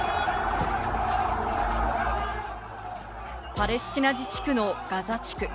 パレスチナ自治区のガザ地区。